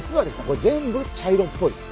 これ全部茶色っぽい。